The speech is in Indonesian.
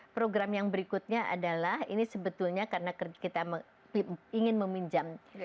program yang berikutnya adalah ini sebetulnya karena kita ingin meminjam